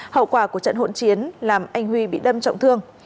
hậu quả của trận hỗn chiến làm anh huy bị đâm trọng thương